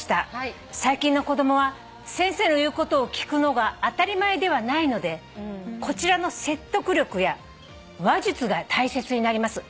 「最近の子供は先生の言うことを聞くのが当たり前ではないのでこちらの説得力や話術が大切になります。